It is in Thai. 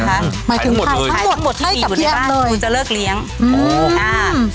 หมายคือขายทั้งหมดเลยขายทั้งหมดที่มีอยู่ในบ้านครูจะเลิกเลี้ยงอืม